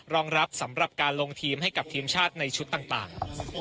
รองรับสำหรับการลงทีมให้กับทีมชาติในชุดต่าง